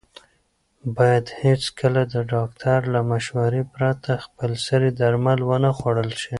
باید هېڅکله د ډاکټر له مشورې پرته خپلسري درمل ونه خوړل شي.